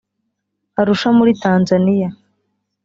Arusha muri Tanzania